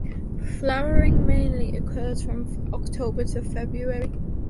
Flowering mainly occurs from October to February.